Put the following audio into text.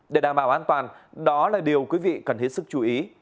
để đảm bảo an toàn đó là điều quý vị cần hết sức chú ý